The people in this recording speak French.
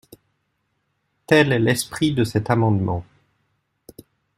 Tel est l’esprit de cet amendement.